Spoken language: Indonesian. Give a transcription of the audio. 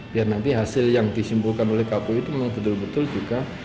biar nanti hasil yang disimpulkan oleh kpu itu memang betul betul juga